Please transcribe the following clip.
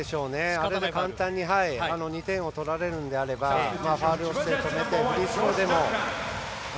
あれで簡単に２点を取られるのであればファウルをして止めてフリースローでも。